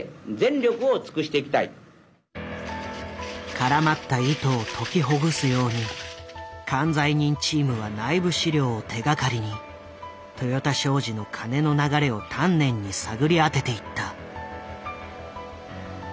からまった糸を解きほぐすように管財人チームは内部資料を手がかりに豊田商事の金の流れを丹念に探り当てていった。